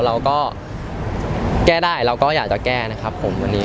เราก็แก้ได้เราก็อยากจะแก้นะครับผมวันนี้